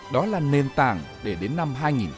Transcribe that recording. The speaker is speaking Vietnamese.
đó là nền tảng để đến năm hai nghìn hai mươi